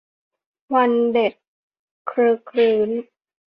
วันเด็กครึกครื้น